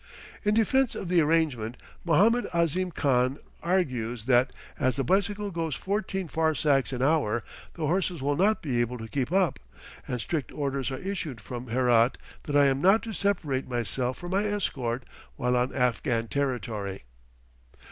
In defence of the arrangement, Mohammed Ahzim Khan argues that, as the bicycle goes fourteen farsakhs an hour, the horses will not be able to keep up; and strict orders are issued from Herat that I am not to separate myself from my escort while on Afghan territory.